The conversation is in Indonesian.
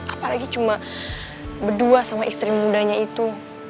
apalagi cuma berdua sama istri mudanya itu